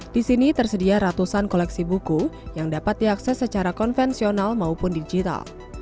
di sini tersedia ratusan koleksi buku yang dapat diakses secara konvensional maupun digital